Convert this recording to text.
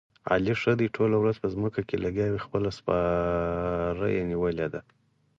علي ښه دې ټوله ورځ په ځمکه کې لګیاوي، خپله سپاره یې نیولې ده.